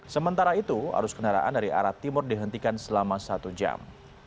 sementara itu arus kendaraan dari arah timur dihentikan selama satu jam